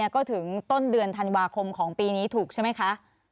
ก็ถึงต้นเดือนธันวาคมของปีนี้ถูกใช่ไหมคะ